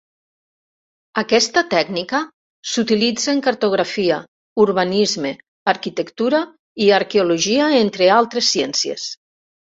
Aquesta tècnica s’utilitza en cartografia, urbanisme, arquitectura i arqueologia entre altres ciències.